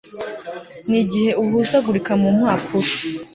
nigihe uhuzagurika mumpapuro